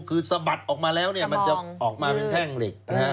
คือสะบัดออกมาแล้วมันจะออกมาเป็นแข้งเหล็ก